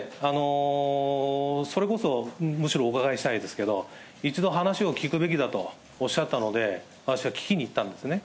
それこそ、むしろお伺いしたいですけれども、一度話を聞くべきだとおっしゃったので、私は聞きに行ったんですね。